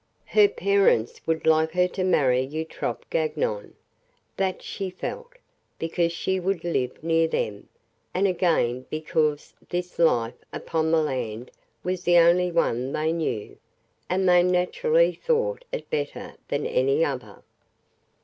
Her parents would like her to marry Eutrope Gagnon that she felt because she would live near them, and again because this life upon the land was the only one they knew, and they naturally thought it better than any other.